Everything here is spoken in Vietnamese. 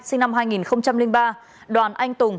sinh năm hai nghìn ba đoàn anh tùng